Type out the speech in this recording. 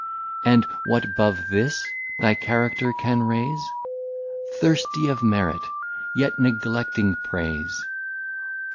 And what 'bove this thy Character can raise? Thirsty of Merit, yet neglecting Praise!